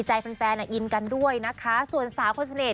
ว่าอะไรเข้าใจนะคะ